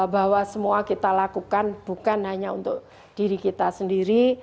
bahwa semua kita lakukan bukan hanya untuk diri kita sendiri